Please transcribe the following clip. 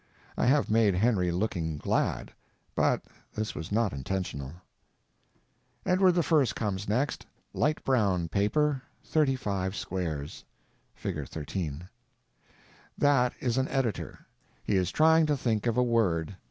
I have made Henry looking glad, but this was not intentional. Edward I. comes next; light brown paper, thirty five squares. (Fig. 13.) That is an editor. He is trying to think of a word.